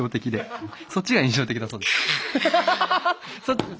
そっちが印象的だそうです。